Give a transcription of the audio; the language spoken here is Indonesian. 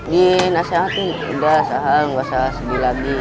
gini nasihatnya udah sahal nggak usah sedih lagi